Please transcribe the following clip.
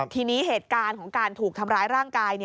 ทีนี้เหตุการณ์ของการถูกทำร้ายร่างกาย